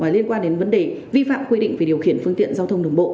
liên quan đến vấn đề vi phạm quy định về điều khiển phương tiện giao thông đường bộ